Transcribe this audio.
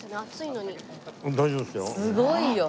すごいよ。